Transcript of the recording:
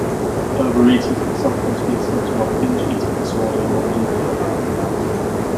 Overeating can sometimes be a symptom of binge eating disorder or bulimia.